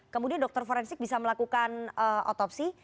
kemudian dokter forensik bisa melakukan otopsi